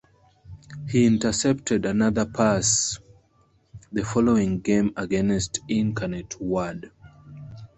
He intercepted another pass the following game against Incarnate Word.